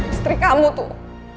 istri kamu tuh